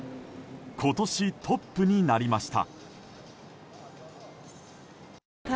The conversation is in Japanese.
今年トップになりました。